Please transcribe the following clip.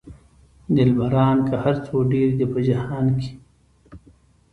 دلبران که هر څو ډېر دي په جهان کې.